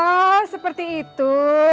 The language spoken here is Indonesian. oh seperti itu